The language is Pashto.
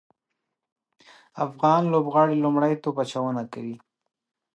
افغان لوبغاړي لومړی توپ اچونه کوي